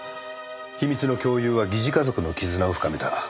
秘密の共有は疑似家族の絆を深めた。